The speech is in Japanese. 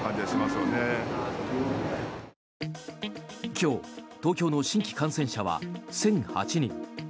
今日、東京の新規感染者は１００８人。